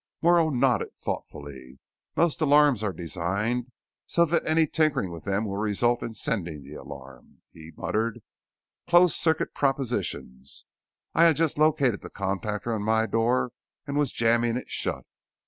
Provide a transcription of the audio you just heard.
Morrow nodded thoughtfully. "Most alarms are designed so that any tinkering with them will result in sending the alarm," he muttered. "Closed circuit propositions. I'd just located the contactor on my door and was jamming it shut.